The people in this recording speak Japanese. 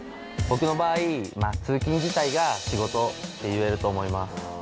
僕の場合通勤自体が仕事っていえると思います